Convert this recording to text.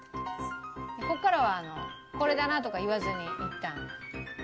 ここからは「これだな」とか言わずにいったん。